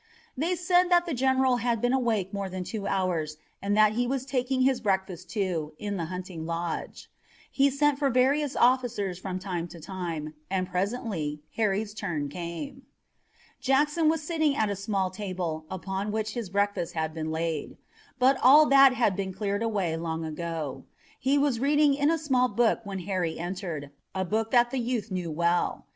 They said that the general had been awake more than two hours and that he was taking his breakfast, too, in the hunting lodge. He sent for various officers from time to time, and presently Harry's turn came. Jackson was sitting at a small table, upon which his breakfast had been laid. But all that had been cleared away long ago. He was reading in a small book when Harry entered, a book that the youth knew well.